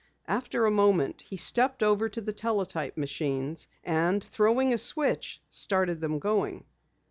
After a moment he stepped over to the teletype machines, and throwing a switch, started them going.